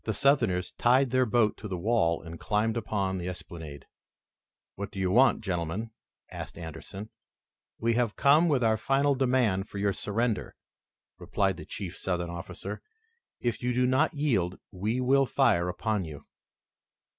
The Southerners tied their boat to the wall and climbed upon the esplanade. "What do you want, gentlemen?" asked Anderson. "We have come with our final demand for your surrender," replied the chief Southern officer. "If you do not yield we fire upon you."